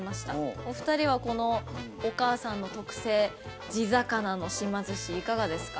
お二人はこのお母さんの特製地魚の島寿司いかがですか？